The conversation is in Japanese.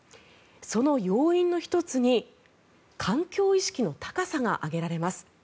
その要因の１つに環境意識の高さが挙げられます。